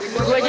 buat gue aja